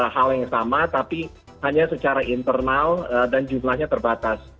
hal yang sama tapi hanya secara internal dan jumlahnya terbatas